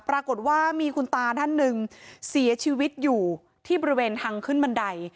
ปรากฏว่ามีคุณตาท่านหนึ่งเสียชีวิตอยู่ที่บริเวณทางขึ้นบันได